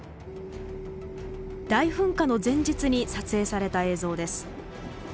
大噴火の前日に撮影された映像です。